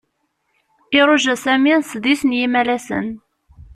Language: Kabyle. Iruja Sami sḍis n yimalasen.